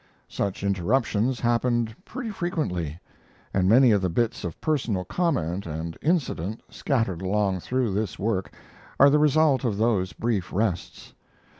Such interruptions happened pretty frequently, and many of the bits of personal comment and incident scattered along through this work are the result of those brief rests.